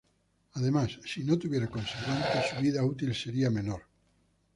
Además si no tuviera conservantes, su vida útil sería menor.